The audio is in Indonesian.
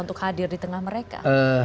untuk hadir di tengah mereka